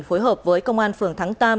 phối hợp với công an phường thắng tam